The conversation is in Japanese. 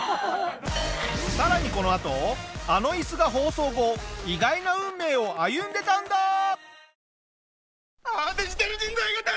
さらにこのあとあのイスが放送後意外な運命を歩んでたんだ！